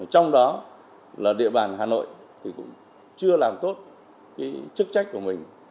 trong đó là địa bàn hà nội thì cũng chưa làm tốt cái chức trách của mình